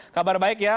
kabar baik ya